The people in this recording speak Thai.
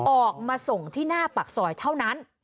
ออกมาส่งที่หน้าปากซอยเท่านั้น